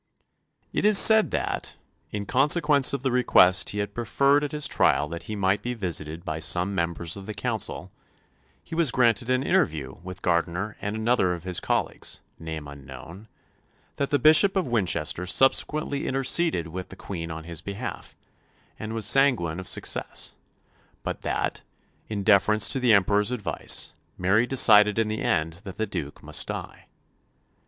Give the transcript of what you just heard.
It is said that, in consequence of the request he had preferred at his trial that he might be visited by some members of the Council, he was granted an interview with Gardiner and another of his colleagues, name unknown; that the Bishop of Winchester subsequently interceded with the Queen on his behalf, and was sanguine of success; but that, in deference to the Emperor's advice, Mary decided in the end that the Duke must die.